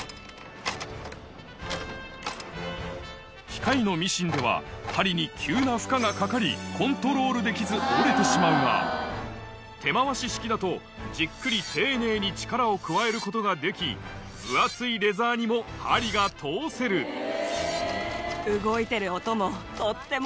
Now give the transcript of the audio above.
機械のミシンでは針に急な負荷がかかりコントロールできず折れてしまうが手回し式だとじっくり丁寧に力を加えることができ分厚いレザーにも針が通せる私は。